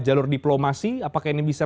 jalur diplomasi apakah ini bisa